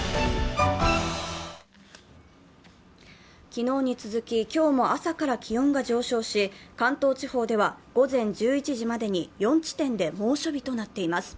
昨日に続き今日も朝から気温が上昇し関東地方では午前１１時までに４地点で猛暑日となっています。